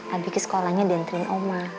abi ke sekolahnya diantriin oma